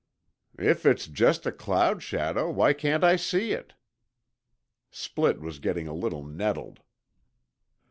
"If it's just a cloud shadow, why can't I see it?" Splitt was getting a little nettled.